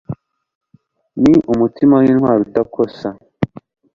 ni umutima wintwari udakosa